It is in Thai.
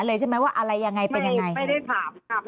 ตอนที่จะไปอยู่โรงเรียนนี้แปลว่าเรียนจบมไหนคะ